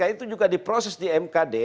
nah itu juga terproses di mkd